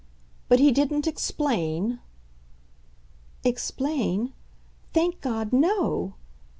"But he didn't explain ?" "Explain? Thank God, no!"